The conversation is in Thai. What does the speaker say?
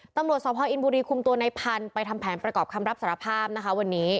ตำรวจสพออินบุรีคุมตัวในพันธุ์ไปทำแผนประกอบคำรับสารภาพนะคะวันนี้